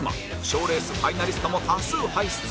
賞レースファイナリストも多数輩出